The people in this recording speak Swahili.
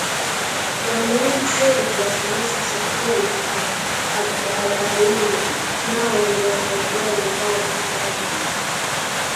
wameona heri kuwasomesha Sofia na Abdalaili nao wangewasaidia wenzao baadaye